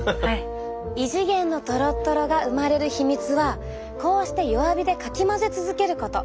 異次元のとろっとろが生まれる秘密はこうして弱火でかき混ぜ続けること！